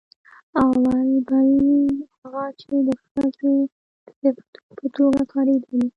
او بل هغه چې د ښځې د صفتونو په توګه کارېدلي